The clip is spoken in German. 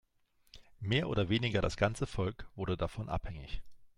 Mehr oder weniger das ganze Volk wurde davon abhängig.